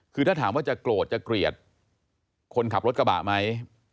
คือถ้าถามว่าจะโกรธจะเกลียดคนขับรถกระบะไหม